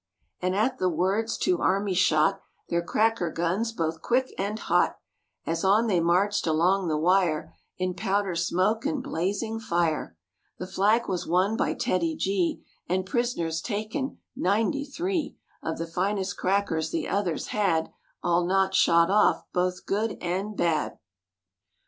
And at the words two armies shot Their cracker guns both quick and hot As on they marched along the wire In powder smoke and blaz¬ ing fire. The flag was won by TEDDY G And prisoners taken, ninety three Of the finest crackers the others had, All not shot off, both good and bad. '.